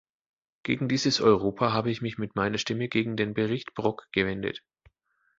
Gegen dieses Europa habe ich mich mit meiner Stimme gegen den Bericht Brok gewendet.